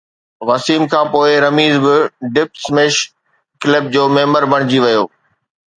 وسيم کانپوءِ رميز به Dubsmash club جو ميمبر بڻجي ويو